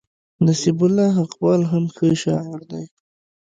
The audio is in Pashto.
نصيب الله حقپال هم ښه شاعر دئ.